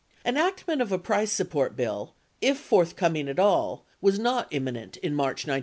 Enactment of a price support bill, if forthcoming at all, was not imminent in March 1971.